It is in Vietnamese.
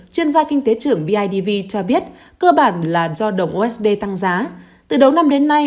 chuyên gia kinh tế trưởng bidv cho biết cơ bản là do đồng usd tăng giá từ đầu năm đến nay